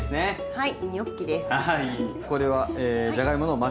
はい。